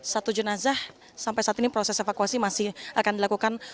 satu jenazah sampai saat ini proses evakuasi masih akan dilakukan